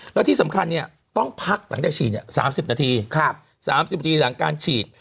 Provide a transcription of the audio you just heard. แล้วที่สำคัญต้องพักหลังจากฉีด๓๐นาที๓๐นาทีหลังการฉีด